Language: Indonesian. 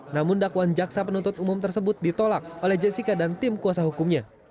namun dakwaan jaksa penuntut umum tersebut ditolak oleh jessica dan tim kuasa hukumnya